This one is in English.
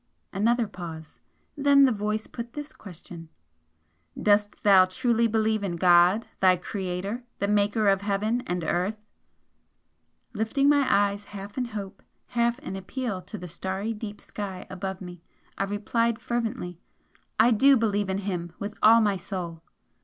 Another pause. Then the voice put this question "Dost thou truly believe in God, thy Creator, the Maker of heaven and earth?" Lifting my eyes half in hope, half in appeal to the starry deep sky above me, I replied fervently "I do believe in Him with all my soul!"